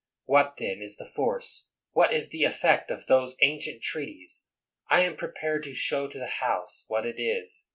What, then, is the force — what is the effect of those ancient treaties ? I am prepared to show to the House what it is.